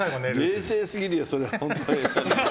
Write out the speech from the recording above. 冷静すぎるよ、本当に。